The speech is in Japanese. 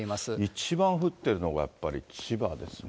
一番降ってるのがやっぱり千葉ですね。